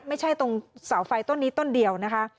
ไม่ใช่ตรงเสาไฟต้นนี้ต้นเดียวนะคะ